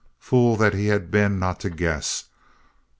Fool that he had been not to guess.